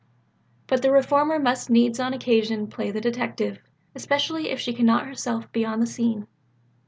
But the reformer must needs on occasion play the detective especially if she cannot herself be on the scene.